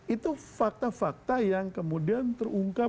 itu fakta fakta yang kemudian terungkap